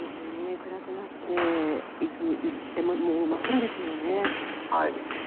暗くなっていってもう真っ暗ですもんね。